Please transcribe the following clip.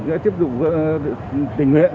sẽ tiếp tục tình nguyện